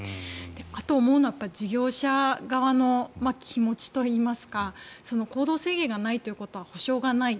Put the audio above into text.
あと、思うのは事業者側の気持ちといいますか行動制限がないということは補償がない。